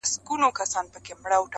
د قلا تر جګ دېواله یې راوړی!!